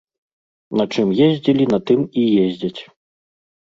На чым ездзілі, на тым і ездзяць.